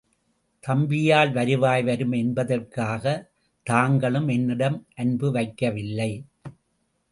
தம்பியால், வருவாய் வரும் என்பதற்காகத் தாங்களும் என்னிடம் அன்பு வைக்கவில்லை.